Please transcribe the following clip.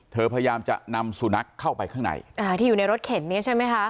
พยายามจะนำสุนัขเข้าไปข้างในอ่าที่อยู่ในรถเข็นเนี้ยใช่ไหมคะ